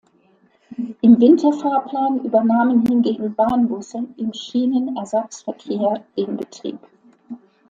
Im Winterfahrplan übernahmen hingegen Bahnbusse im Schienenersatzverkehr den Betrieb.